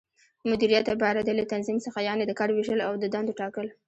مديريت عبارت دى له تنظيم څخه، یعنې د کار وېشل او د دندو ټاکل